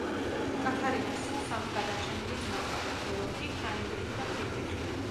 კათარინას სულ სამი გადარჩენილი ძმა ჰყავდა: გეორგი, ჰაინრიხი და ფრიდრიხი.